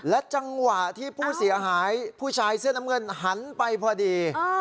และจังหวะที่ผู้เสียหายผู้ชายเสื้อน้ำเงินหันไปพอดี